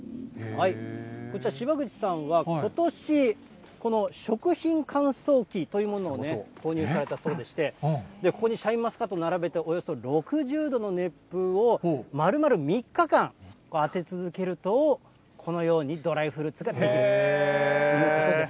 こちら、芝口さんは、ことし、この食品乾燥機というものを購入されたそうでして、ここにシャインマスカット並べて、およそ６０度の熱風を丸々３日間当て続けると、このように、ドライフルーツが出来るということです。